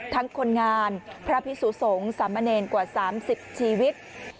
ทั้งคนงานพระพิสุสงศ์สำเนินกว่า๓๐ชีวิต